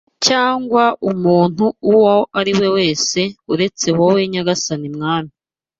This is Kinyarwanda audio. cyangwa umuntu uwo ari we wese uretse wowe nyagasani mwami.